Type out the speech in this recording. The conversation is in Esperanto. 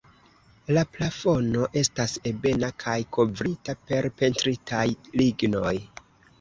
La plafono estas ebena kaj kovrita per pentritaj lignoj.